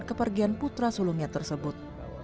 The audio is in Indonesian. kemarian putra sulungnya tersebut